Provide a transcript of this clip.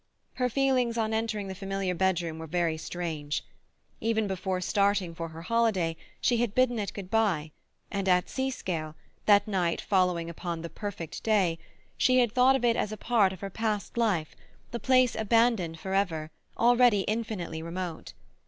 Her feelings on entering the familiar bedroom were very strange. Even before starting for her holiday she had bidden it good bye, and at Seascale, that night following upon the "perfect day," she had thought of it as a part of her past life, a place abandoned for ever, already infinitely remote.